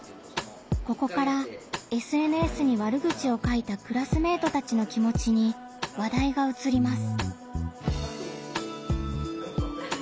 ここからＳＮＳに悪口を書いたクラスメートたちの気もちに話題がうつります。